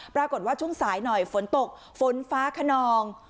ปรากฏว่าช่วงสายหน่อยฝนตกฝนฟ้าขนอง